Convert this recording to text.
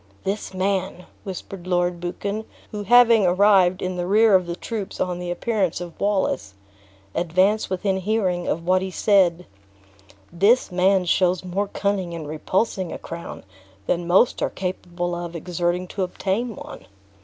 "This man," whispered Lord Buchan, who having arrived in the rear of the troops on the appearance of Wallace, advanced within hearing of what he said "this man shows more cunning in repulsing a crown than most are capable of exerting to obtain one."